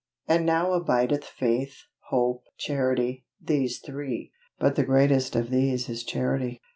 And now abideth faith, hope, charity, these three; but the greatest of these is charity.